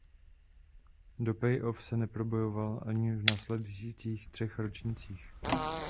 Do play off se neprobojoval ani v následujících třech ročnících.